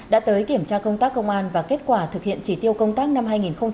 đã tới kiểm tra công tác công an và kết quả thực hiện chỉ tiêu công tác năm hai nghìn hai mươi ba